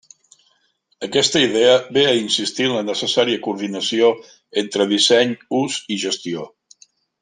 Aquesta idea ve a insistir en la necessària coordinació entre disseny, ús i gestió.